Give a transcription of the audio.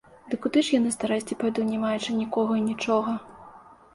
Ды куды ж я на старасці пайду, не маючы нікога і нічога?